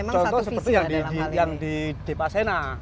contoh seperti yang di depas sena